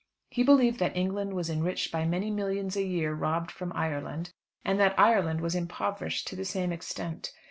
He believed that England was enriched by many millions a year robbed from Ireland, and that Ireland was impoverished to the same extent.